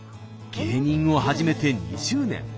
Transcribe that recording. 芸人を始めて２０年。